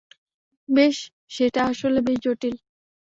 বেশ সেটা আসলে বেশ জটিল।